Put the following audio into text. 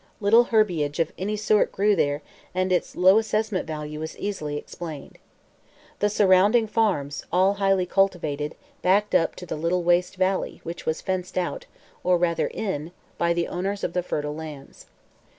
Little herbiage of any sort grew there and its low assessment value was easily explained. The surrounding farms, all highly cultivated, backed up to the little waste valley, which was fenced out or rather in by the owners of the fertile lands.